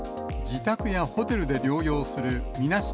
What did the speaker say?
自宅やホテルで療養するみなし